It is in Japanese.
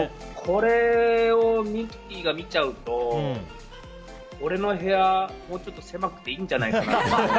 これをミキティが見ちゃうと俺の部屋、もうちょっと狭くていいんじゃないかって。